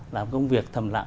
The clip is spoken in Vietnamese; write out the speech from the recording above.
làm công việc thầm lặng